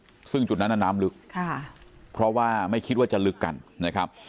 ซึ่งจุดนั้นน่ะน้ำลึกค่ะเพราะว่าไม่คิดว่าจะลึกกันนะครับ